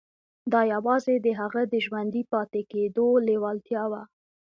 دا یوازې د هغه د ژوندي پاتې کېدو لېوالتیا وه